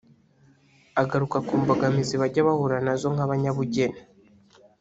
Agaruka ku mbogamizi bajya bahura nazo nk’abanyabugeni